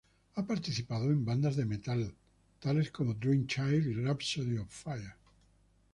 Ha participado en bandas de metal tales como Dream Child y Rhapsody Of Fire.